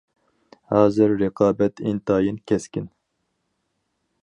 - ھازىر رىقابەت ئىنتايىن كەسكىن.